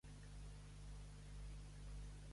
Amb qui va tenir a Galahad?